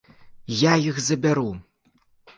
І я іх забяру.